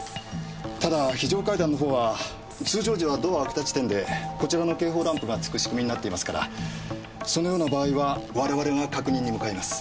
ただ非常階段のほうは通常時はドアを開けた時点でこちらの警報ランプが点く仕組みになっていますからそのような場合は我々が確認に向かいます。